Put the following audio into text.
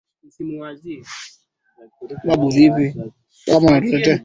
kwa mfano Afrika Mashariki kuna michezo kama vile BembeaBuye Esta